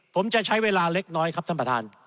ผมจะใช้เวลาเล็กน้อยครับท่านประธาน